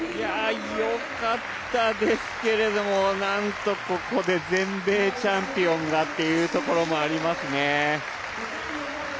よかったですけれども、なんとここで全米チャンピオンがというところもありますね。